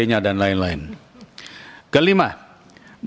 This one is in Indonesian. yang sesuai dengan kondisi ekonomi keluarga mahasiswa